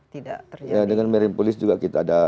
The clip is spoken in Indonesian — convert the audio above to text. tidak terjadi dengan merin polis juga kita ada